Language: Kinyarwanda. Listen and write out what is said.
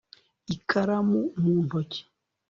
ikaramu mu ntoki